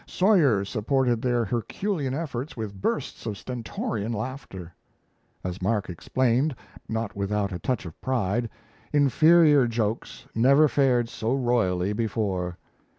Sawyer supported their herculean efforts with bursts of stentorian laughter. As Mark explained, not without a touch of pride, inferior jokes never fared so royally before.